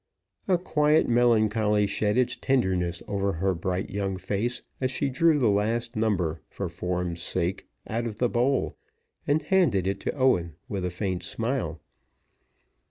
A quiet melancholy shed its tenderness over her bright young face as she drew the last number, for form's sake, out of the bowl, and handed it to Owen with a faint smile.